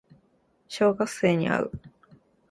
小学生に会う